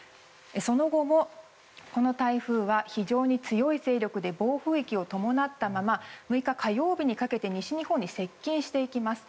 その後も、この台風は非常に強い勢力で暴風域を伴ったまま６日、火曜日にかけて西日本に接近していきます。